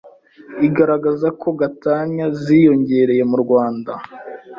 igaragaza ko gatanya ziyongereye mu Rwanda